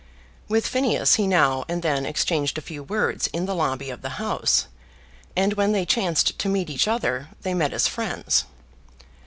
With Phineas he now and then exchanged a few words in the lobby of the House, and when they chanced to meet each other, they met as friends.